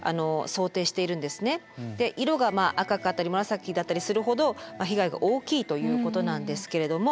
色が赤かったり紫だったりするほど被害が大きいということなんですけれども。